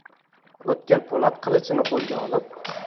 O’tkir po’lat qilichini qo’lga olib